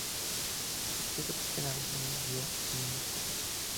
Está escrito por primera vez en un guion minúsculo.